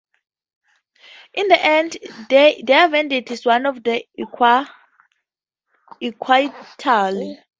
In the end, their verdict is one of acquittal.